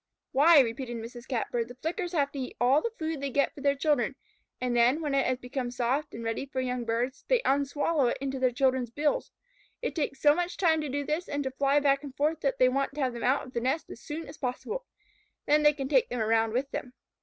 "Why," repeated Mrs. Catbird, "the Flickers have to eat all the food they get for their children, and then, when it has become soft and ready for young birds, they unswallow it into their children's bills. It takes so much time to do this and to fly back and forth that they want to have them out of the nest as soon as possible. Then they can take them around with them."